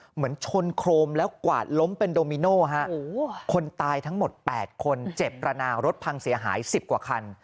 เหมือนชนโครมแล้วกวาดล้มเป็นโดมิโน่ฮะคนตายทั้งหมด๘คนเจ็บระนาวรถพังเสียหาย๑๐กว่าคัน